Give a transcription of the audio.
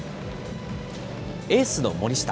エースの森下。